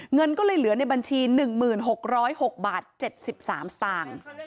เงินก็เลยเหลือในบัญชี๑๖๐๖บาท๗๓สตางค์